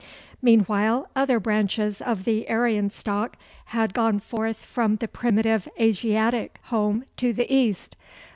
Meanwhile other branches of the Aryan stock had gone forth from the primitive Asiatic home to the east.